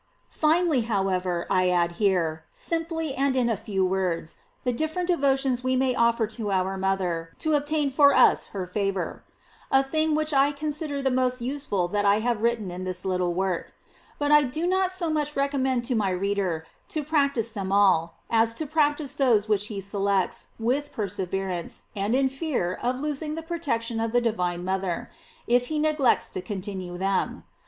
Finally, however, I add here, simply and in a few words, the different devotions we may offer to our mother, to obtain for us her favor; a thing which I consider the most useful that I have written in this little work. But I do not so much recommend to my reader to practise them all, as to practise those which he selects, with perseverance, and in fear of losing the protection of the divine mother, if he neglects to continue them.